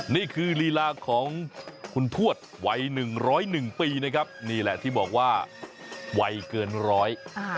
นี่คือลีลาของคุณทวดวัย๑๐๑ปีนะครับนี่แหละที่บอกว่าวัยเกินร้อย